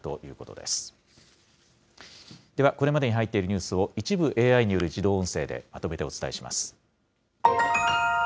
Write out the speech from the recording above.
では、これまでに入っているニュースを、一部ＡＩによる自動音声でまとめてお伝えします。